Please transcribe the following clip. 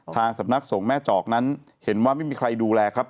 สำนักสงฆ์แม่จอกนั้นเห็นว่าไม่มีใครดูแลครับ